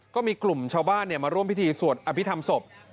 ก็มีกลุ่มชาวบ้านมาร่วมพิธีสวดอภิษฐรรมศพ